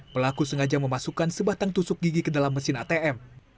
pelaku sengaja memasukkan sebatang tusuk gigi ke dalam mesin atm